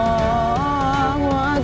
kau akan diserang kami